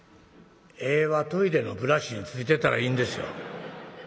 「柄はトイレのブラシについてたらいいんですよ。